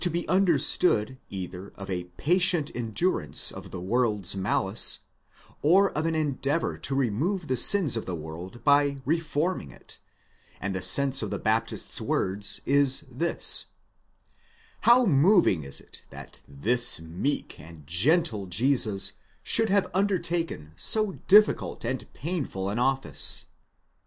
223 be understood either of a patient endurance of the world's malice, or of an endeavour to remove the sins of the world by reforming it; and the sense of the Baptist's words is this: "ον moving is it that this meek and gentle Jesus should have undertaken so difficult and painful an office?!"